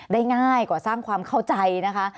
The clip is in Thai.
ง่ายกว่าสร้างความเข้าใจนะคะ